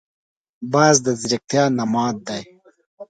باز د ځیرکتیا نماد دی